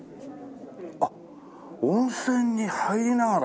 あっ温泉に入りながら。